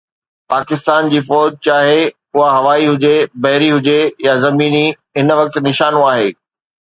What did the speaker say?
پاڪستان جي فوج، چاهي اها هوائي هجي، بحري هجي يا زميني، هن وقت نشانو آهي.